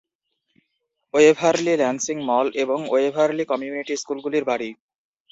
Waverley Lansing mall এবং Waverly community স্কুলগুলির বাড়ি।